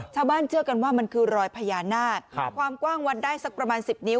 เชื่อกันว่ามันคือรอยพญานาคความกว้างวัดได้สักประมาณ๑๐นิ้